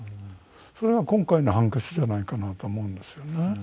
それが今回の判決じゃないかなと思うんですよね。